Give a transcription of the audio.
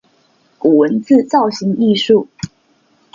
古文字造型藝術